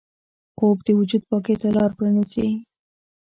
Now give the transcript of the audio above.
خوب د وجود پاکۍ ته لاره پرانیزي